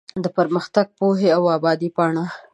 د پرمختګ ، پوهې او ابادۍ پاڼه